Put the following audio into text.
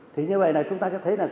thế như vậy này chúng ta sẽ thấy là